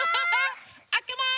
あけます！